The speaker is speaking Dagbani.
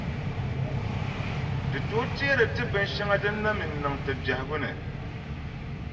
Di tooi teeri ti binʼ shɛŋa din na mi n-niŋ ti biɛhigu ni.